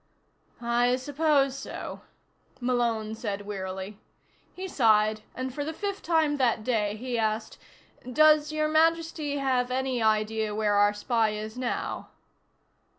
"I suppose so," Malone said wearily. He sighed and, for the fifth time that day, he asked: "Does Your Majesty have any idea where our spy is now?"